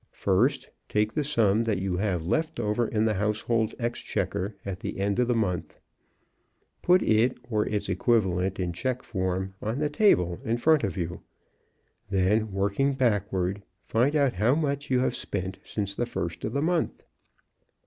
First take the sum that you have left over in the household exchequer at the end of the mouth. Put it, or its equivalent in check form, on the table in front of you. Then, working backward, find out how much you have spent since the first of the month.